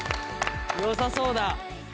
よさそうだ。